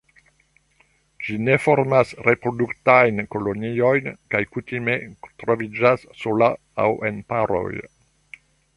Ĝi ne formas reproduktajn koloniojn, kaj kutime troviĝas sola aŭ en paroj.